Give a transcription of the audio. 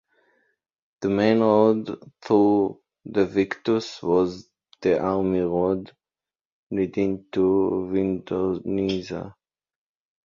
The main road through the vicus was the army road leading to Vindonissa.